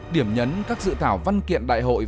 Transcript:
điểm nhấn các dự thảo văn kiện đại hội